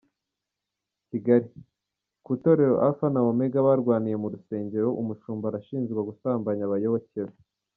Kigali: Ku itorero Alpha na Omega barwaniye mu rusengero, umushumba arashinjwa gusambanya abayoboke be.